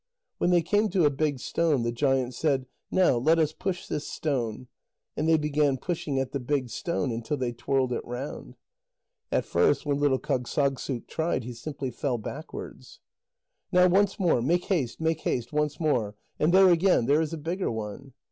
When they came to a big stone, the giant said: "Now let us push this stone." And they began pushing at the big stone until they twirled it round. At first, when little Kâgssagssuk tried, he simply fell backwards. "Now once more. Make haste, make haste, once more. And there again, there is a bigger one."